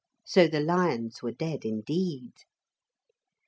So the lions were dead indeed.